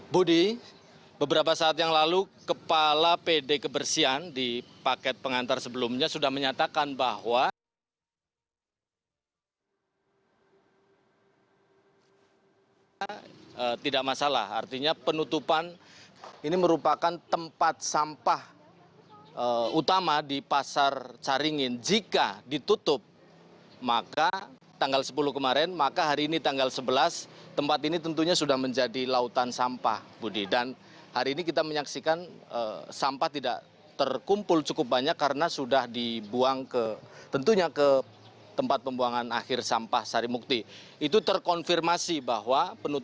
budi beberapa saat yang lalu kepala pd kebersihan di paket pengantar sebelumnya sudah menyatakan bahwa